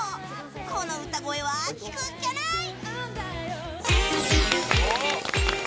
この歌声は聴くっきゃない。